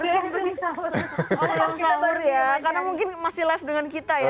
tolong sahur ya karena mungkin masih live dengan kita ya